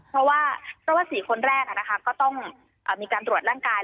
เพราะว่า๔คนแรกก็ต้องมีการตรวจร่างกาย